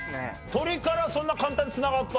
鶏からそんな簡単に繋がった？